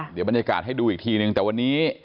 เดี๋ยวบรรยากาศให้ดูอีกทีนึงแต่วันนี้